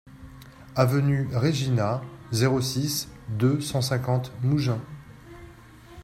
Avenue Regina, zéro six, deux cent cinquante Mougins